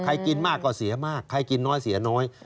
กินมากก็เสียมากใครกินน้อยเสียน้อย